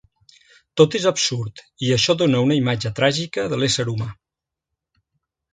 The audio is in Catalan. Tot és absurd i això dóna una imatge tràgica de l'ésser humà.